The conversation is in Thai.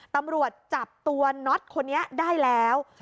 ตำรวจจับตัวน็อตคนนี้ได้แล้ว